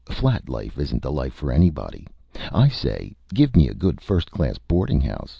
Flat life isn't the life for anybody, I say. Give me a good, first class boarding house.